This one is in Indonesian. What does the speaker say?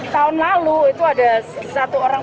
tahun lalu itu ada satu orang